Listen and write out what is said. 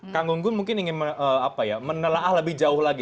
kang gunggun mungkin ingin menelaah lebih jauh lagi